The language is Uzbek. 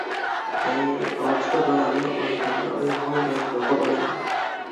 E, oltita bolamni oydinda oyog‘im bilan boqib olaman.